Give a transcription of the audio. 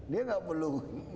dia gak perlu